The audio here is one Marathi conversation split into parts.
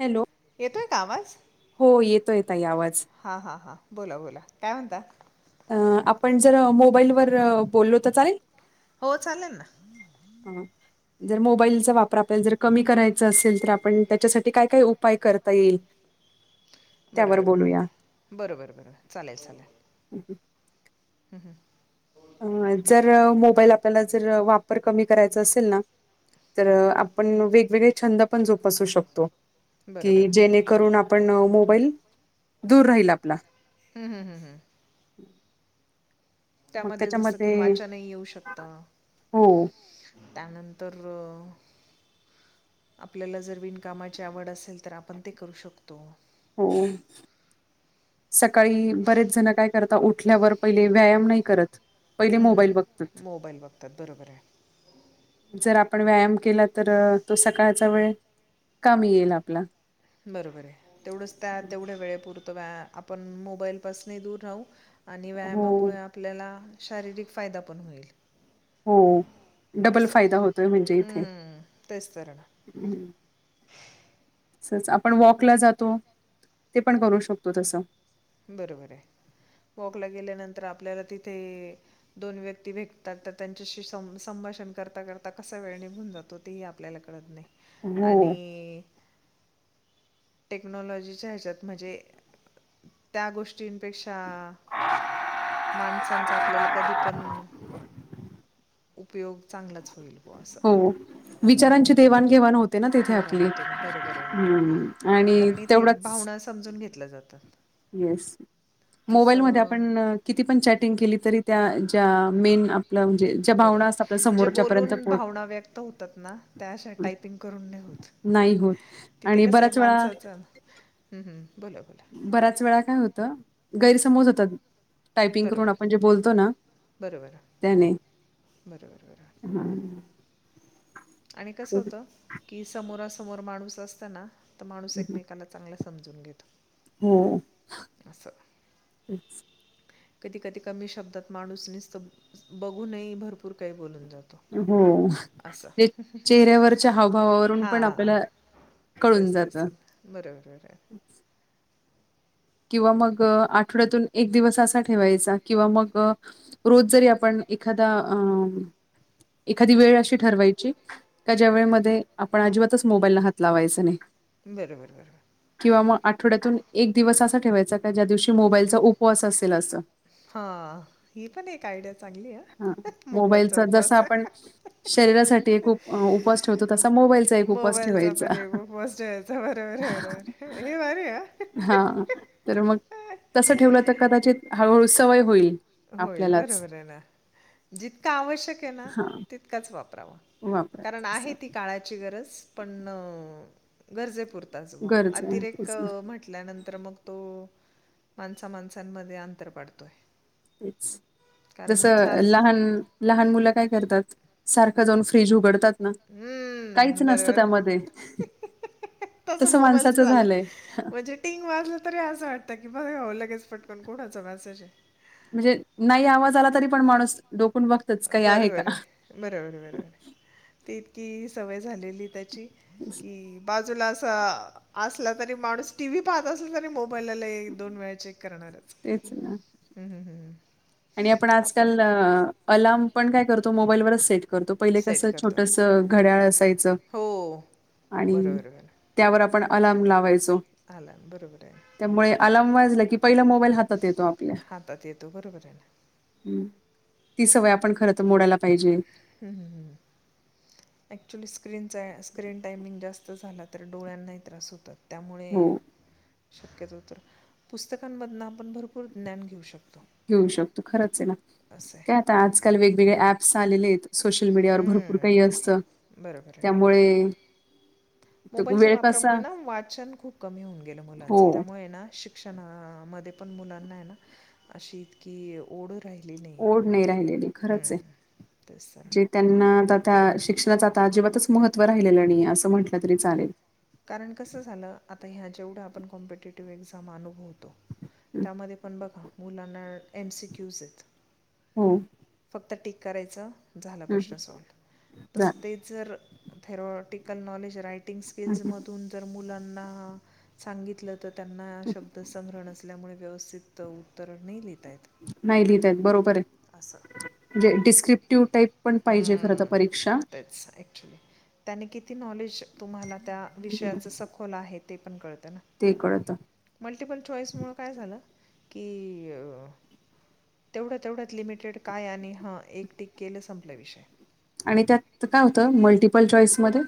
हॅलो! येतोय का आवाज? हो येतोये ताई आवाज. हा हा हा, बोला, बोला काय म्हणता? अ आपण जर मोबाईलवर बोललो त चालेल. हो चालेल ना. हं! जर मोबाईलचा वापर आपल्याला जर कमी करायचा असेल, तर आपण त्याच्यासाठी काय काय उपाय करता येईल. [inaudible] बरोबर, बोलूया बरोबर, बरोबर, बरोबर चालेल चालेल. [inaudible] हू हू! अ जर मोबाईल आपल्याला जर वापर कमी करायचा असेल ना. तर आपण वेगवेगळे छंद पण जोपासू शकतो, हं की बरोबर जेणेकरून आप पण मोबाईल दूर राहील आपला. हू हू हू हू! मग त्यामध्ये जसं की त्याच्यामध्ये वाचनही येऊ शकत. हो त्यानंतर. आपल्याला जर विणकामाची, आवड असेल तर आपण ते करू शकतो. हो! सकाळी बरेच जनं काय करता, उठल्यावर पहिले व्यायाम नाही करत. पहिले ह मोबाईल बघतात मोबाईल बघतात बरोबर आहे जर आपण व्यायाम केला तर तो सकाळचा वेळ कामी येईल आपला. बरोबर आहे. तेवढच त्या तेवढ्या वेळे पुरत बा आपण मोबाईल पासूनही दूर राहू. आणि हो, व्यायामामुळे आपल्याला शारीरिक फायदा पण होईल. हो डबल असं फायदा होतोय म्हणजे इथे. हम्म, तेच तर ना तसच आपण वॉकला जातो. ते पण करू शकतो तसं. बरोबर आहे. वॉकला गेल्यानंतर आपल्याला तिथे दोन व्यक्ती भेटतात तर त्यांच्याशी संभ -संभाषण करता करता कसा वेळ निघून जातो. तेही आपल्याला कळत नाही. हो, आणि टेक्नॉलॉजीच्या ह्याच्यात म्हणजे. त्या गोष्टींपेक्षा माणसांच आपल्याला कधी पण उपयोग चांगलाच होईल बुवा असा. हो. विचारांची देवाणघेवाण होते ना तिथे घेवा आपली. ना तुन बरोबर आहे ना? हं आणि कारण इथे तेवढाच भावनाच - - समजून घेतलं जातं. येस. मोबाईलमध्ये आपण. किती पण चॅटिंग केली तरी त्या ज्या मेन आ आपला म्हणजे ज्या भावना बरोबर. असतात आपल्या जे समोरच्यापर्यंत बोलून पोहोच भावना व्यक्त होतात ना त्या अशा टायपिंग करून नाही होत. नाही होत. आणि बराच वेळा हम - हम बोला -बोला. बऱ्याच वेळा काय होतं? गैरसमोज होतात. टायपिंग करून बरोबर, आपण जे बोलतो ना त्याने. बरं बरं बर. हां. आणि कसं होतं की समोरासमोर माणूस असत ना तर माणूस एकमेकाला चांगलं समजून घेतो. हम्म. तेच. कधी कधी कमी शब्दात माणूस नीसत बघूनही भरपूर काही बोलून जातो. हो अस ते [unintelligible] चेहऱ्यावरच्या हावभावावरून पण हा. आपल्याला कळून तेच तेच जातं बरोबर बराय. किंवा मग आठवड्यातून एक दिवस असा ठेवायचा किंवा मग रोज जरी आपण एखादा अं एखादी वेळ अशी ठरवायची? का ज्या वेळेमध्ये आपण अजिबातच मोबाईलला हात लावायचं नाही. बरं बरं बर. किंवा मग आठवड्यातून एक दिवस असा ठेवायचा का ज्या दिवशी मोबाईलचा उपवास असेल असं. हा ही पण एक आयडिया चांगली य हा ह मोबाईल चा मोबाईलचा जसा उपवास. आपण शरीरासाठी एक उप उपवास ठेवतो तसा मोबाईलचा एक उपवास मोबाईलचा ठेवायचा पण एक उपवास ठेवायचा. बरबर बरेबर हे भारीय ह. हा तर मग तसं ठेवलं तर कदाचित हळूहळू सवय होईल. होईल आपल्यालाच बरोबर आहे ना? जितका आवश्यक आहे ना हा तितकाच वापरावा. वापरायच कारण आहे असं ती काळाची गरज पण अ गरजेपुरताच ओ गरज आहे अतिरेक तेच ना म्हंट म्हल्यानंतर मग तो माणसा माणसांमध्ये अंतर पाडतोय. ते जस कारण चार्ज लहान लहान मुलं काय करतात? सारखं जाऊन फ्रीज उघडतात- हं. काहीच हं, नसतं बरोबर. त्यामध्ये. तसं तस मोबाईलचं माणसाचं झालं. झालंय. म्हणजे टिंग वाजलं तरी असं वाटतं की बघाव लगेच पटकन. कुणाचा मॅसेजए. म्हणजे नाही आवाज आला तरी पण माणूस डोकून बघ- बरोबर ए. बरोबर बरोबर. ती इतकी सवय झालेली त्या- - ची की बाज- -जूला अस, असला तरी माणूस टीव्ही पाहत असला तरी मोबाईलला दोन वेळा चे - -क करणारच. तेच ना हम्. हम्म. आणि आपण आजकाल अ अलार्म पण काय करतो? मोबाईलवरच सेट- करतो. पहिले सेट कसं करतो. छोटस घड्याळ असायचं. हो. आणि- बरोबर बरोबर. त्यावर आपण अलार्म लावायचो. आला ना, बरोबर आहे. त्यामुळे अलार्म वाजला की पहिला मोबाईल हातात येतो आपल्या. आता तेे त बरोबर आहे ना? हं. ती सवय आपण खर तर मोडायला पाहिजे. हम्. हम. हम. ॲक्च्युली स्क्रीनचा स्क्रीन टायमिंग जास्त झाला तर, डोळ्यांनाही त्रास होतात. हो त्यामुळे- शक्यतो तर, पुस्तकांमधन आपण भरपूर ज्ञान घेऊ शकतो. घेऊ शकतो. खरंच आहे ना. असं काय आता आजकाल वेगवेगळे ऍप्स आलेले आहेत. सोशल मीडियावर भरपूर आहे काही असतं बरोबर आहे ना त्यामुळे- तो मोबाईलच्या वेळ कसा वापरामुळे ना वाचन खूप कमी होऊन गेलं हो मुलांचं. त्यामुळे ना शिक- -क्षणामध्ये पण मुलांना ए ना अशी- की ओढ राहिली नाही. ओढ राहिलेली खरंच हं. आहे तेच तर ना. जे त्यांना त्या शिक्षणाचं आता अजिबातच महत्त्व राहिलेलं नाहीए. असं म्हटलं तरी चालेल. कारण कसं झालं? आता ह्या जेवढया आपण कॉम्पिटेटिव्ह एक्झाम अनुभव- -तो. हं, त्यामध्ये पण बघा मुलांना एम सी क्यूज येत. हं. फक्त टीक करायच. झाला हं, प्रश्न सॉल्व. तस झालं ते - जर थेरॉटिकल नॉलेज रायटिंग हं, हं. स्किल्समधून- जर मुलांना सांगितलं. तर त्यांना शब्द संग्रह नसल्यामुळे व्यवस्थित- त उत्तरं नाही लिहीता येत. नाही लिहिता येत. बरोबर ए. असं म्हजे डिस्क्रिप्टिव टाईप- पण पाहिजे खरं तर हम्म, परीक्षा- तेच आहे. त्याने किती नॉलेज तुम्हाला त्या हं, विषयाच सखोल आहे. ते पण कळतं ना? ते कळत. मल्टिपल चॉईसमुळं काय झालं? की- तेवढं तेवढ्यात लिमिटेड काय? आणि हं. एक टीक केलं संपला विषय. आणि त्यात काय होतं? मल्टिपल चॉईसमध्ये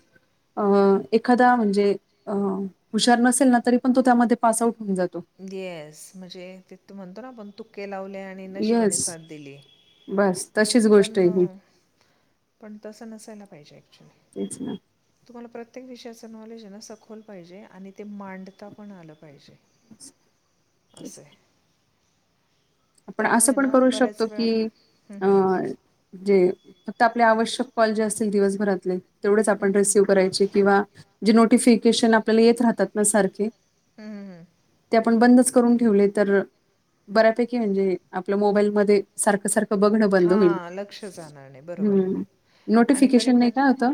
अ- एखादा म्हणजे- अं. हुशार नसेल ना? तरी पण तो त्यामध्ये पास आउट होऊन जातो. येस. म्हणजे ते म्हणतो ना आपण? तुक्के लावले आणि नशिबाने येस साथ दिली. बस. तशीच गोष्ट पण आहे ही. पण तसं नसायला पाहिजे ऍक्च्युली. तेच ना. तुम्हाला प्रत्येक विषयाच नॉलेज आहे ना सखोल पाहिजे आणि ते मांडता पण आलं पाहिजे. अस तेच. ये. आपण असं पण करू शकतो की, हं, अ हं. जे, फक्त आपले आवश्यक कॉल जे असतील दिवस भरातले. तेवढेच हं, आपण हं. रिसिव्ह करायचे किंवा, जे नोटिफिकेशन आपल्याला येत राहतात ना सारखे. हम् हम. ते आपण बंदच करून ठेवले तर, बऱ्यापैकी म्हणजे आपलं मोबाईलमध्ये सारखं सारखं बघणं बंद होईल, हां लक्ष जाणार नाही बरोबर आहे हम्म. ना आणि नोटिफिकेशन ने कणिक काय होत,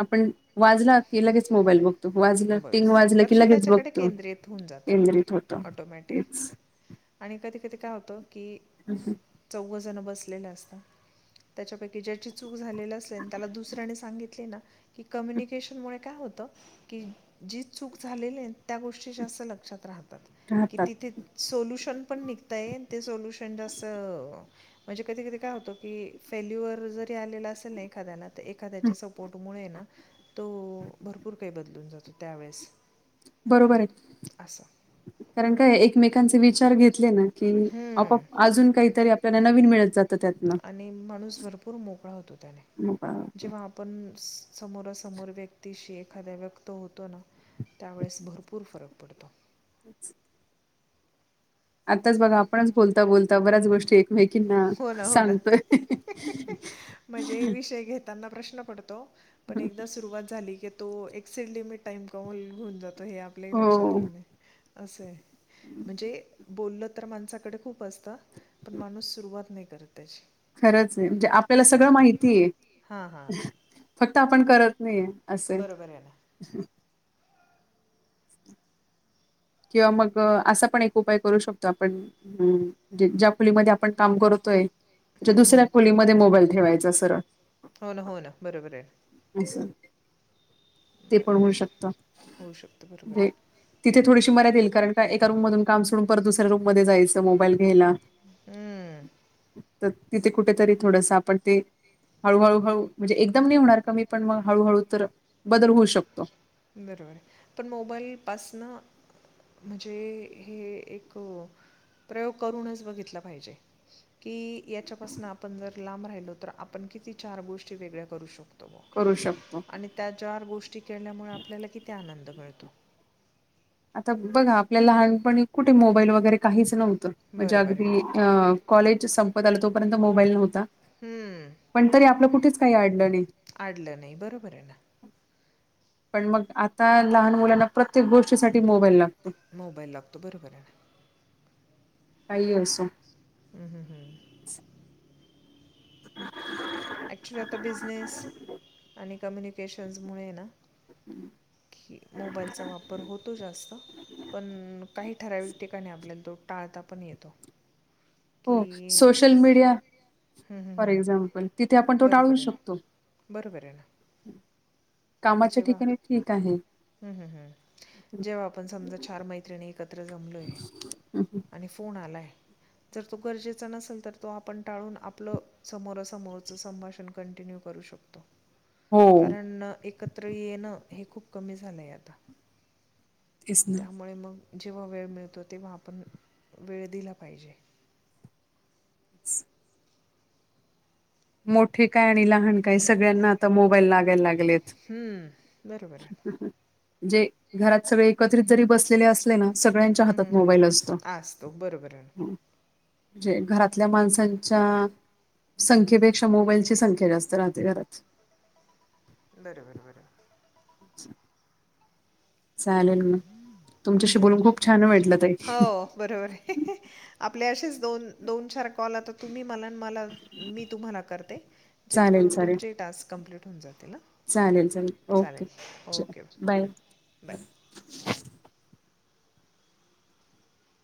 आपण वाजला की लगेच मोबाईल बक तो वाजलं टिंग बस वाजलं की लक्ष लगेच त्याच्याकडे बघतो, केंद्रित होऊन जातं ना केंद्रित होत, ऑटोमॅटिक हेच. [inaudible] आणि कधी कधी काय होतं की हम्. चौघ जण बसलेलं असतात. त्याच्यापैकी ज्याची चूक झालेली असने त्याला दुसऱ्याने सांगितले ना. कि कम्युनिकेशन मूळ काय होत की जी चूक झालेली आहे त्या गोष्टी जास्त लक्षात राहतात, की राहतात. तिथे सोल्युशन पण निघतय ते सोल्युशन जसं म्हणजे कधी कधी काय होतो की फेल्युअर जरी आलेला असेल ना एखाद्याला तर एखाद्याच्या सपोर्टमुळे न, तो भरपूर काही बदलून जातो त्यावेेळेस. बरोबर हाय, कारण काय एकमेकांचे विचार घेतले ना. कि, आपोआप अजून काहीतरी आपल्याला नवीन मिळत जा आणि माणूस भरपूर मोकळा होतो त्याने, मग अ, जेव्हा पण समोरासमोर व्यक्तीशी एखाद्या व्यक्त होतो ना. त्यावेळेस भरपूर फरक पडतो. [unintelligible] आताच बघा आपणच बोलता बोलता बऱ्याच गोष्टी मेकिना, हो ना हो ना सांगतोय. त्यांना प्रश्न पडतो, पण एकदा सुरुवात झाली की तो एक सिलीमी टाइम कावल घेऊन जातो हे आपल्याही लक्षात हो येत नाही, असं आहे. म्हणजे, बोललं तर माणसाकडे खूप असतं. पण माणूस सुरुवात नाही करत तशी. खरंच आहे म्हणजे आपल्याला सगळं माहिती आहे, हां हां फक्त आपण करत नाही आहे. असेल. बरोबर आहे ना किंवा मग असा पण एक उपाय करू शकतो आपण. हम्म, ज्या खोलीमध्ये आपण काम करतोय. ज्या हं, हं, दुसऱ्या हं. खोलीमध्ये मोबाईल ठेवायचा सरळ. हो ना हो ना बरोबर आहे अस, ते पण बरोबर होऊ शकत, आहे होऊ शकतं बरोबर हे आहे तिथे थोडीशी मर्यादा येईल कारण का एका रूमधून काम सडून परत दुसऱ्या रूममध्ये जायचं. मोबाईल घ्याला. हम्म, तर तिथे कुठेतरी थोडस आपण ते, हळू हळू हळू म्हणजे एकदम नाही होणार कमी पण मग हळूहळू तर, बदल होऊ शकतो. बरोबर आहे, पण मोबाईलपासनं म्हणजे हे एक, प्रयोग करूनच बघितल पाहिजे. कि याच्यापासून आपण जर लांब राहिलो तर आपण किती चार गोष्टी वेगळ्या करू शकतो. करू शकतो. आणि त्या चार गोष्टी केल्यामुळे आपल्याला किती आनंद मिळतो. आता बघा आपल्याला लहानपणी कुठे मोबाईल वगैरे काहीच नव्हत. म्हणजे बरोबर अगदी आहे अ कॉलेज संपत आल तोपर्यंत मोबाईल नव्हता. हम्म, पण तरी आपल कुठेच काही अडल नाही. आडल नाही, बरोबर आहे ना. पण मग आता लहान मुलांना प्रत्येक गोष्टीसाठी मोबाईल लागतो. मोबाईल लागतो बरोबर आहे. काही असो हम्म हम्म हम्म [inaudible] ऍक्च्युली आता बिझनेस आणि कम्युनिकेशन्स मुळे ना [inaudible] की मोबाईलचा वापर होतो जास्त, पण काही ठराविक ठिकाणी आपल्याला तो टाळता पण येतो. की हो सोशल मीडिया हम्म हम्म फॉर हम्म एक्झाम्पल तिथे आपण तो टाळू बरोबर आहे. शकतो. बरोबर आहे ना. कामाच्या ठिकाणी ठीक आहे. हम्म हम्म हम्म जेव्हा आपण समजा चार मैत्रिणी एकत्र जमलोय हं, हं. आणि फोन आलाय. जर तो गरजेचा नसेल तर तो आपण टाळून आपल समोरासमोरच संभाषण कंटिन्यू करू शकतो. [inaudible] कारण एकत्र येण हे खूप कमी झालय आता. तेच ना. त्यामुळे मग जेव्हा वेळ मिळतो तेव्हा आपण वेळ दिला पाहिजे. मोठे काय आणि लहान काय, सगळ्यांना आता मोबाईल लागायला लागलेत. हम्म बरोबर आहे. जे घरात सगळे एकत्रित जरी बसलेले असले ना सगळ्यांच्या हम्म, हातात हम्म, हम्म. मोबाईल असतो. असतो बरोबर आहे म्हणजे घरातल्या माणसांच्या संख्येपेक्षा, मोबाईलची संख्या जास्त राहते घरात. बरोबर बरोबर. [inaudible] चालेल म, हम्म, तुमच्याशी हम्म, बोलून खूप हम्म. छान वाटल ताई. हो बरोबर आहे. आपले असेच दोन दोन चार कॉल आता तुम्ही मला मला मी तुम्हाला करते. चालेल जेणेकरून चालेल तुमचेही टास्क कंप्लीट होऊन जातील ह. चालेल चालेल ओके च ओके बाय. हं. बाय.